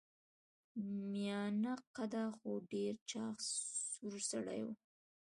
میانه قده خو ډیر چاغ سور سړی و.